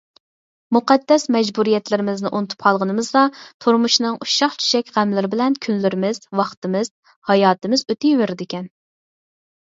مۇقەددەس مەجبۇرىيەتلىرىمىزنى ئۇنتۇپ قالغىنىمىزدا تۇرمۇشنىڭ ئۇششاق-چۈششەك غەملىرى بىلەن كۈنلىرىمىز، ۋاقتىمىز، ھاياتىمىز ئۆتىۋېرىدىكەن.